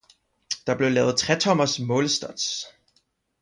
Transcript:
Der blev lavet tretommers målestuds